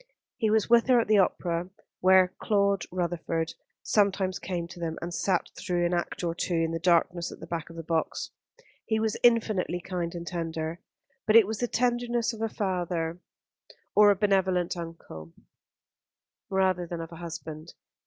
He was with her at the opera, where Claude Rutherford sometimes came to them and sat through an act or two in the darkness at the back of the box. He was infinitely kind and tender; but it was the tenderness of a father, or a benevolent uncle, rather than of a husband.